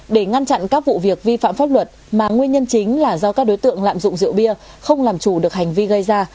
để ngăn chặn các vụ việc vi phạm pháp luật mà nguyên nhân chính là do các đối tượng lạm dụng rượu bia không làm chủ được hành vi gây ra